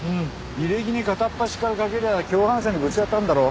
履歴に片っ端からかけりゃ共犯者にぶち当たるだろ？